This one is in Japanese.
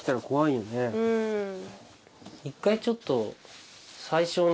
１回ちょっと。